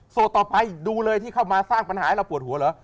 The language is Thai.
ต่อไปดูเลยที่เข้ามาสร้างปัญหาให้เราปวดหัวเหรอ